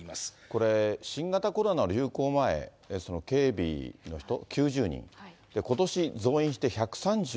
これ新型コロナの流行前、警備の人、９０人、ことし増員して１３７人。